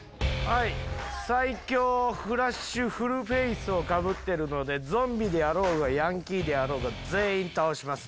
最強フラッシュフルフェイスをかぶってるのでゾンビであろうがヤンキーであろうが全員倒します。